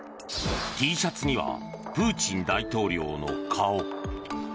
Ｔシャツにはプーチン大統領の顔。